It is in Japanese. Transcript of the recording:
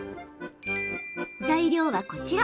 材料はこちら。